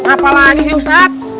apa lagi sih ustadz